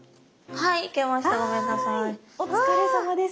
はいお疲れさまです。